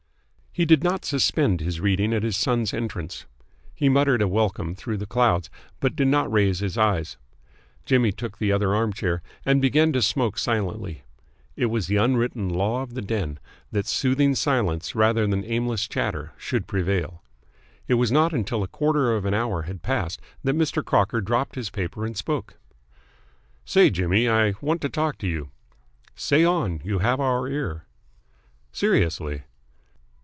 He did not suspend his reading at his son's entrance. He muttered a welcome through the clouds, but he did not raise his eyes. Jimmy took the other arm chair, and began to smoke silently. It was the unwritten law of the den that soothing silence rather than aimless chatter should prevail. It was not until a quarter of an hour had passed that Mr. Crocker dropped his paper and spoke. "Say, Jimmy, I want to talk to you." "Say on. You have our ear." "Seriously."